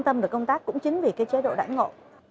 tâm được công tác cũng chính vì cái chế độ đãi ngộ